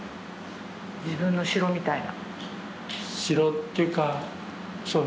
・自分の城みたいな？